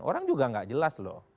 orang juga nggak jelas loh